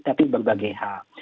tapi berbagai hal